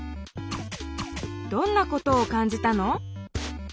どんなことをかんじたの？